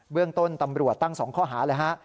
เรื่องต้นตำรวจตั้ง๒ข้อหาเลยฮะ